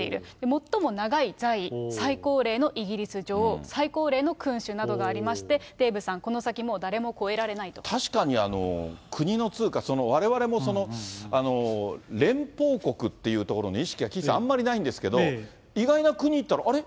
最も長い在位、最高齢のイギリス女王、最高齢の君主などがありまして、デーブさん、確かに、国の通貨、その、われわれも連邦国っていうところの意識が岸さん、あんまりないんですけど、意外な国行ったら、あれ？